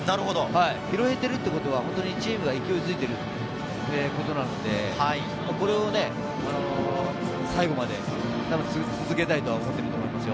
拾えているということは、チームが勢いづいているということなので、これを最後まで続けたいと思っていると思いますよ。